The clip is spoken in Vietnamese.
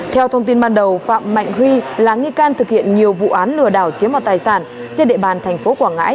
theo thông tin ban đầu phạm mạnh huy là nghi can thực hiện nhiều vụ án lừa đảo chiếm loạt tài sản trên địa bàn tp quảng ngãi